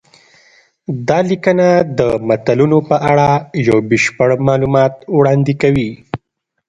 دا لیکنه د متلونو په اړه یو بشپړ معلومات وړاندې کوي